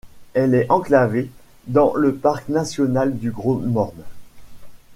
Elle est enclavée dans le parc national du Gros-Morne.